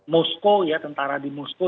moskow ya tentara di moskow